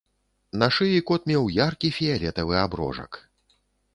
На шыі кот меў яркі фіялетавы аброжак.